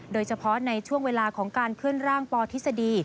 โดยเฉพาะในช่วงเวลาของการเคลื่อนร่างปทฤษฎี